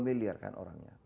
dua miliar kan orangnya